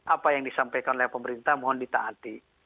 apa yang disampaikan oleh pemerintah mohon ditaati